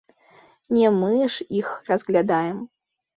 Не мы ж іх разглядаем!